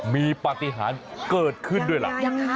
มีปฏิหารเกิดขึ้นด้วยล่ะ